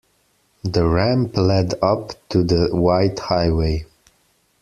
The ramp led up to the wide highway.